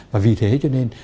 và vì thế cho nên